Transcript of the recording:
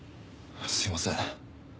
すいません。